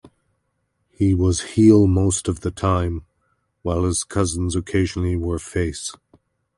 He was heel most of the time, while his cousins occasionally were face.